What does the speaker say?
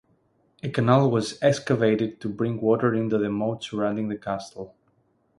A canal was excavated to bring water into the moat surrounding the castle.